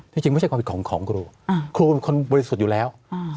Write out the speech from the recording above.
จริงไม่ใช่ความผิดของครูครูเป็นคนบริสุทธิ์อยู่แล้ว